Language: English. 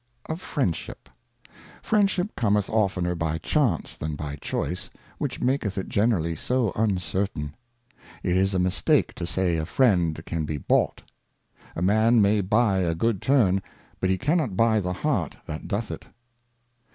Of Friendship. FRIENDSHIP Cometh oftener by Chance than by Choice, which maketh it generally so uncertain. It is a Mistake to say a Friend can be bought. A Man may buy a good Turn, but he cannot buy the Heart that doth it.